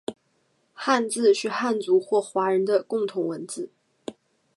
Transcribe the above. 汉字是汉族或华人的共同文字